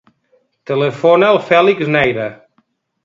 Telefona al Fèlix Neira.